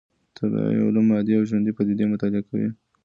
طبيعي علوم مادي او ژوندۍ پديدې مطالعه کوي.